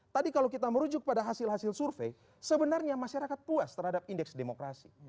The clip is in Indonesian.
tadi kalau kita merujuk pada hasil hasil survei sebenarnya masyarakat puas terhadap indeks demokrasi